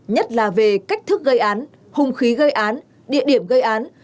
nhất là về cách thức gây án hùng khí gây án địa điểm gây án